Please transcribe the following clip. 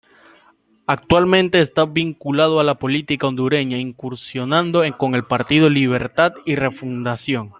Actualmente está vinculado a la política hondureña incursionando con el Partido Libertad y Refundación.